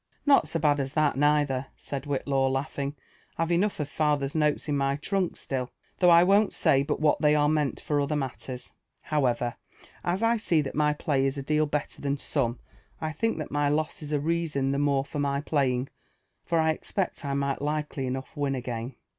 ''Not so bad as that neither," said Whitlaw, laughing; ''I've enough of father's notes in my trunk still, though I won't say but what they are meant for other matters. However, as I see that my play is a deal better than some, I think that my loss is a reason the more for my playing, for I expect I might likely enough win again."